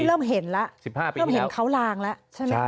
เริ่มเห็นเขาลางแล้ว